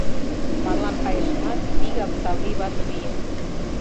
— Марлан кайышымат, вигак Савлий вате лийым.